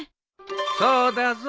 そうだぞ。